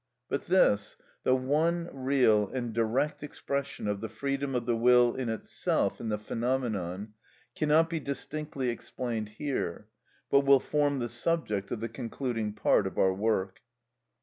But this, the one, real, and direct expression of the freedom of the will in itself in the phenomenon, cannot be distinctly explained here, but will form the subject of the concluding part of our work.